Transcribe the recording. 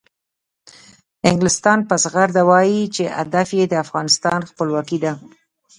انګلستان په زغرده وایي چې هدف یې د افغانستان خپلواکي ده.